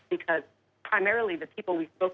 เพราะที่พวกโทรคอยู่กันคือผู้สูงสุข